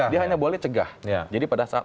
dia hanya boleh cegah jadi pada saat